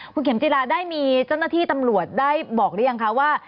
คุณเข็มจิราได้มีเจ้าหน้าที่ตำรวจได้บอกหรือยังคะว่า